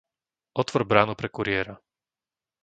Otvor bránu pre kuriéra.